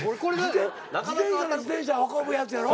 自転車で自転車運ぶやつやろ？